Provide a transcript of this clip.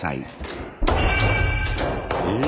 え！